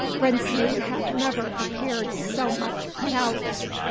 Brinsmead had never appeared so much put out.